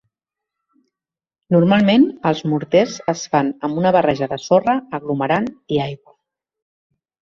Normalment, els morters es fan amb una barreja de sorra, aglomerant i aigua.